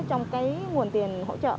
trong cái nguồn tiền hỗ trợ